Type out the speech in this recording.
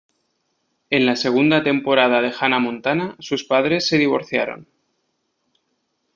En la segunda temporada de Hannah Montana sus padres se divorciaron.